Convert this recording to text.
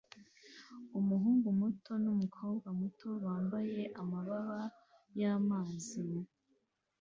umuhungu muto numukobwa muto wambaye amababa yamazi